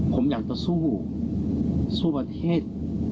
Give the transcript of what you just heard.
ผมอยากจะสู้สู้ประเทศ